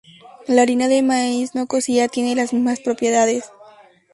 La harina de maíz no cocida tiene las mismas propiedades.